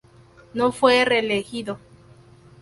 No fue reelegido.